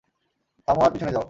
থামো আর পিছনে যাও।